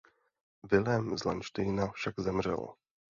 Vilém z Landštejna však zemřel.